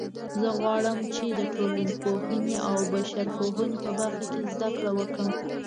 زه غواړم چې د ټولنپوهنې او بشرپوهنې په برخه کې زده کړه وکړم